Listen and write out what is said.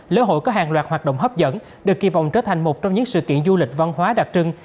lễ hội có hàng loạt hoạt động hấp dẫn được kỳ vọng trở thành một trong những sự kiện du lịch văn hóa đặc trưng